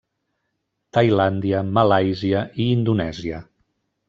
Tailàndia, Malàisia i Indonèsia.